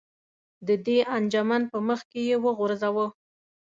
د دې انجمن په مخ کې یې وغورځوه.